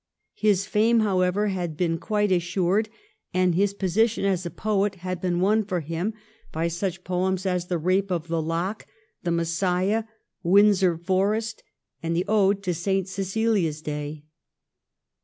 His fame, however, had been quite assured, and his position as a poet had been won for him by such poems as ' The .Eape of the Lock,' 'The Messiah,' 'Windsor Forest,' and the ' Ode to St. Cecilia's Day.'